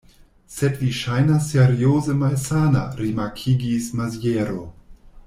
Sed vi ŝajnas serioze malsana, rimarkigis Maziero.